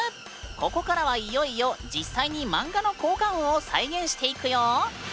ここからはいよいよ実際にマンガの効果音を再現していくよ！